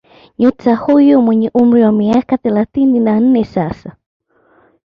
Nyota huyo mwenye umri wa miaka thelathini na nne sasa